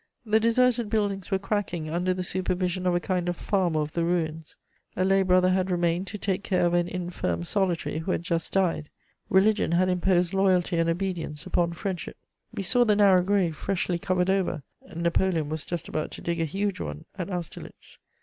The deserted buildings were cracking under the supervision of a kind of farmer of the ruins. A lay brother had remained to take care of an infirm solitary who had just died: religion had imposed loyalty and obedience upon friendship. We saw the narrow grave freshly covered over: Napoleon was just about to dig a huge one at Austerlitz.